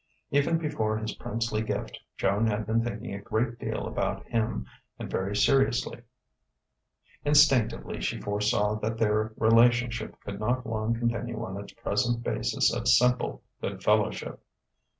Even before his princely gift, Joan had been thinking a great deal about him, and very seriously. Instinctively she foresaw that their relationship could not long continue on its present basis of simple good fellowship.